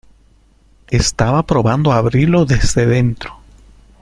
estaba probando a abrirlo desde dentro.